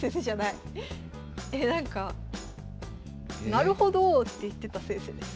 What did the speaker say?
「なるほど」って言ってた先生です。